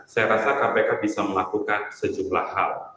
saya rasa kpk bisa melakukan sejumlah hal